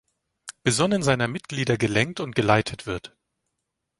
Besonnenen seiner Mitglieder gelenkt und geleitet wird.